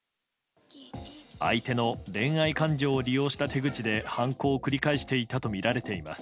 相手の恋愛感情を利用した手口で犯行を繰り返していたと見られています。